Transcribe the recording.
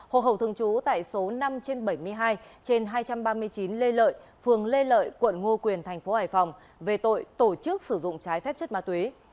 hồ hậu thường trú tại số năm trên bảy mươi hai trên hai trăm ba mươi chín lê lợi phường lê lợi quận ngo quyền tp hải phòng về tội tổ chức sử dụng trái phép chất ma túy